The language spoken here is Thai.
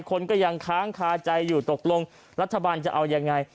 คนก็ยังค้างคาใจอยู่ตกลงรัฐบาลจะเอายังไง